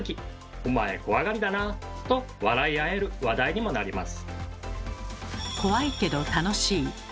「お前怖がりだな」と笑い合える話題にもなります。